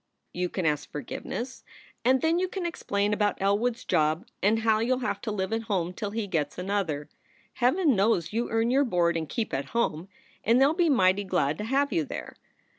"You can ask forgiveness, and then you can explain about Elwood s job and how you ll have to live at home till he gets another. Heaven knows you earn your board and keep at home, and they ll be mighty glad to have you there.